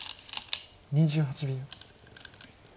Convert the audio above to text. ２８秒。